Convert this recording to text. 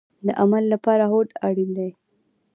د عمل لپاره هوډ اړین دی